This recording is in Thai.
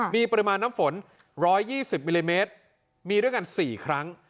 มีปริมาณน้ำฝน๑๒๐มิลลิเมตรมีด้วยกัน๔ครั้ง